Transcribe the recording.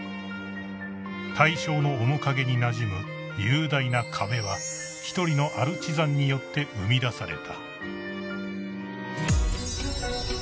［大正の面影になじむ雄大な壁は一人のアルチザンによって生み出された］